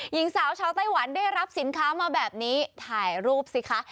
หญิงสาวชาวไต้หวันได้รับสินค้ามาแบบนี้ถ่ายรูปสิคะ